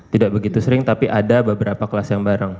tidak begitu sering tapi ada beberapa kelas yang bareng